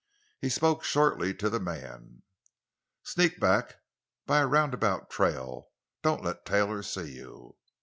He spoke shortly to the man: "Sneak back—by a roundabout trail. Don't let Taylor see you!"